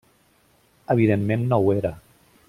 Evidentment no ho era.